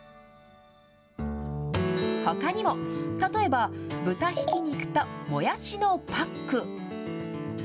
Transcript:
ほかにも、例えば豚ひき肉ともやしのパック。